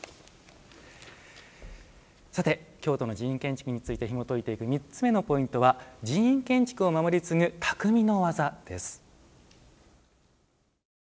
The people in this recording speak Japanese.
さて京都の寺院建築についてひもといていく３つ目のポイントは「寺院建築を守り継ぐ匠の技」です。